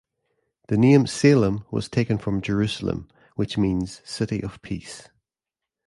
The name Salem was taken from "Jerusalem", which means "city of peace".